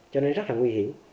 cho nên rất là nguy hiểm